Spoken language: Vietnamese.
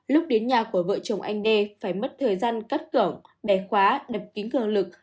lúc đến nhà của vợ chồng anh d phải mất thời gian cắt cổng đè khóa đập kính cường lực